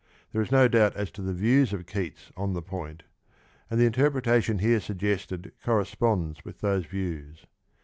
There is no doubt as to the views of Keats on the point, and the interpretation here suggested corresponds with those views.